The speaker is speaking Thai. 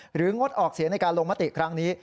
งดออกเสียงในการลงมติครั้งนี้